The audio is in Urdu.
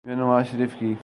میاں نواز شریف کی۔